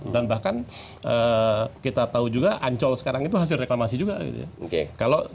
dan bahkan kita tahu juga ancol sekarang itu hasil reklamasi juga